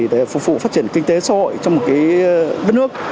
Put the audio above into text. để phục vụ phát triển kinh tế xã hội trong một đất nước